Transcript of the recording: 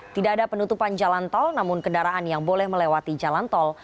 tidak ada penutupan jalan tol namun kendaraan yang boleh melewati jalan tol